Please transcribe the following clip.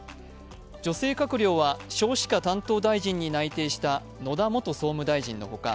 女性閣僚は少子化担当大臣に内定した野田元総務大臣の他